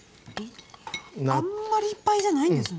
あんまりいっぱいじゃないんですね。